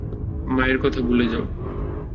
মায়ের কথা ভুলে যাও।